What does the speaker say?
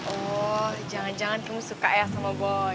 oh jangan jangan kamu suka ya sama boy